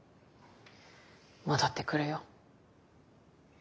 戻ってくるよ。